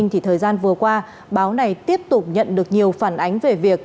thì thời gian vừa qua báo này tiếp tục nhận được nhiều phản ánh về việc